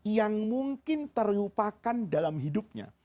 yang mungkin terlupakan dalam hidupnya